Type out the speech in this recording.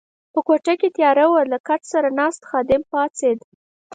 په کوټه کې تیاره وه، له کټ سره ناست خادم پاڅېد.